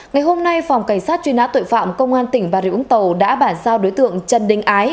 ngày hôm nay phòng cảnh sát truy nã tội phạm công an tỉnh bà rịa úng tàu đã bản giao đối tượng trần đình ái